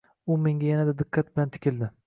U menga yanada diqqat bilan tikildi.